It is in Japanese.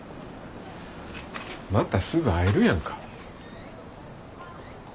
またすぐ会えるやんか。